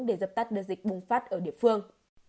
để dập tắt đưa dịch bùng phát ở địa phương